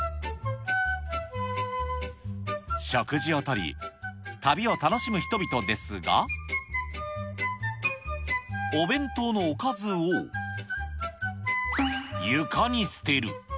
食事をとり、旅を楽しむ人々ですが、お弁当のおかずを、床に捨てる。